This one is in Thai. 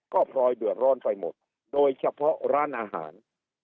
ก็พลอยเดือดร้อนไปหมดโดยเฉพาะร้านอาหาร